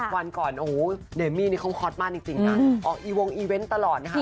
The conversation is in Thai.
วันก่อนโอ้โหเดมมี่นี่เขาฮอตมากจริงนะออกอีวงอีเวนต์ตลอดนะคะ